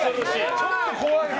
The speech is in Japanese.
ちょっと怖い。